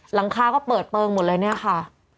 หลังคาก็เปิดเปลืองหมดเลยเนี่ยค่ะ